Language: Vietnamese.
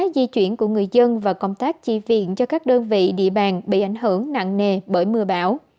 di chuyển của người dân và công tác chi viện cho các đơn vị địa bàn bị ảnh hưởng nặng nề bởi mưa bão